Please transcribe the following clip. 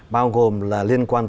bao gồm là liên quan